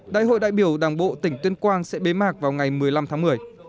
đại hội đại biểu đảng bộ tỉnh tuyên quang sẽ bế mạc vào ngày một mươi năm tháng một mươi